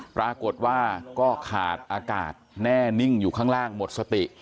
ปรากฏว่าก็ขาดอากาศแน่นิ่งอยู่ข้างล่างหมดสติ